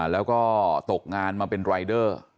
แล้วก็ตกงานมาเป็นรายเดอร์